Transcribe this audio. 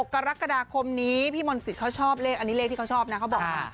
กรกฎาคมนี้พี่มนต์สิทธิเขาชอบเลขอันนี้เลขที่เขาชอบนะเขาบอกว่า